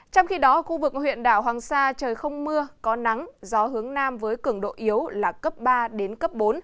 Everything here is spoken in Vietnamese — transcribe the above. trong khi đó khu vực huyện đảo hoàng sa trời không mưa có nắng gió hướng nam với cường độ yếu là cấp ba đến cấp bốn